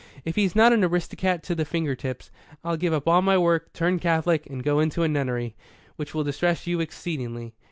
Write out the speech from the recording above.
If he's not an aristocrat to the finger tips, I'll give up all my work, turn Catholic, and go into a nunnery which will distress you exceedingly.